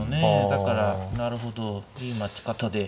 だからなるほどいい待ち方で。